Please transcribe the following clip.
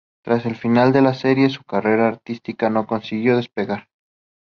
Tras el final de la serie, su carrera artística no consiguió despegar.